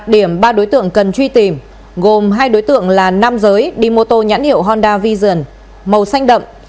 điểm ba đối tượng cần truy tìm gồm hai đối tượng là nam giới đi mô tô nhãn hiệu honda vision màu xanh đậm